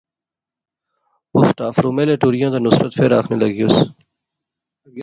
او سٹاف رومے لے ٹریاں تے نصرت فیر آخنے لاغیوس